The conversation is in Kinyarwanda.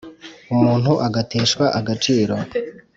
Umuntu agateshwa agaciro